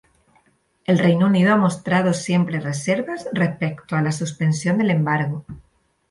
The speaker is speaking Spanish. El Reino Unido ha mostrado siempre reservas respecto a la suspensión del embargo.